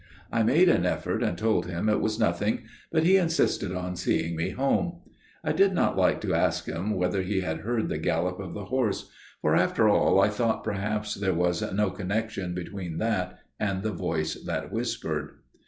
"I made an effort and told him it was nothing; but he insisted on seeing me home: I did not like to ask him whether he had heard the gallop of the horse; for, after all, I thought, perhaps there was no connection between that and the voice that whispered.